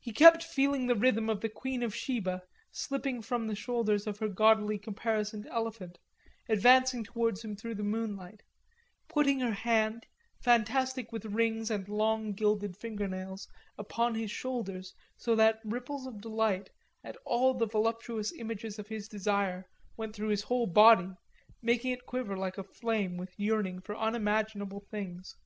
He kept feeling the rhythm of the Queen of Sheba slipping from the shoulders of her gaudily caparisoned elephant, advancing towards him through the torchlight, putting her hand, fantastic with rings and long gilded fingernails, upon his shoulders so that ripples of delight, at all the voluptuous images of his desire, went through his whole body, making it quiver like a flame with yearning for unimaginable things.